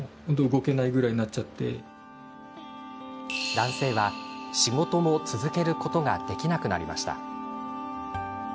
男性は仕事も続けることができなくなりました。